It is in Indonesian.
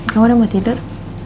kamu udah mau tidur